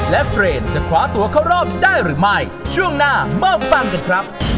และเฟรนด์จะคว้าตัวเข้ารอบได้หรือไม่ช่วงหน้ามาฟังกันครับ